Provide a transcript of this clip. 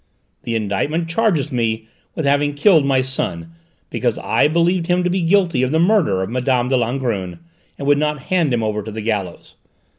The indictment charges me with having killed my son because I believed him to be guilty of the murder of Mme. de Langrune and would not hand him over to the gallows.